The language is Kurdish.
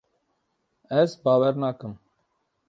Ez bawer nakim.